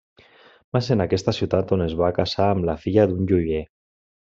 Va ser en aquesta ciutat on es va casar amb la filla d'un joier.